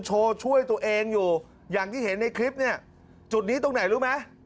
ช่วยตัวเองอยู่อย่างที่เห็นในคลิปเนี่ยจุดนี้ตรงไหนรู้ไหม